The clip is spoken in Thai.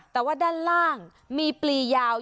แต่ว่าด้านล่างมีปลียาว